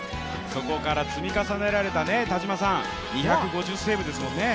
そこから積み重ねられた２５０セーブですもんね。